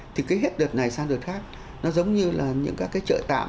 thì cái hết đợt này sang đợt khác nó giống như là những các cái trợ tạm